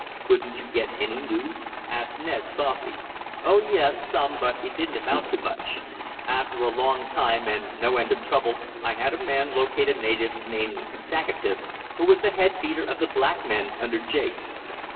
"Couldn't you get any news?" asked Ned softly. "Oh, yes, some, but it didn't amount to much. After a long time, and no end of trouble, I had a man locate a native named Zacatas, who was the head beater of the black men under Jake."